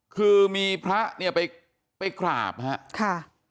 คือมีพระเนี่ยไปกราบครับ